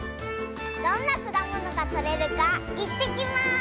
どんなくだものがとれるかいってきます！